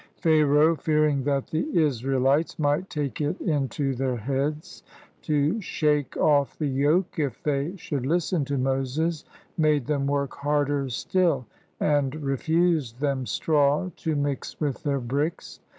LET MY PEOPLE GO Pharaoh, fearing that the Israehtes might take it into their heads to shake off the yoke if they should Hsten to Moses, made them work harder still, and refused them straw to mix with their bricks.